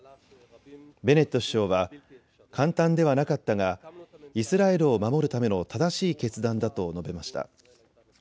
ベネット首相は簡単ではなかったがイスラエルを守るための正しい決断だと述べました。